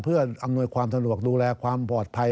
เพื่ออำนวยความสะดวกดูแลความปลอดภัย